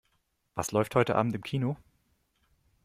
Was läuft heute Abend im Kino?